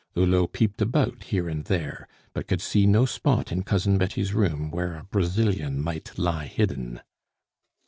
Hulot peeped about, here and there, but could see no spot in Cousin Betty's room where a Brazilian might lie hidden.